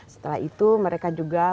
setelah itu mereka juga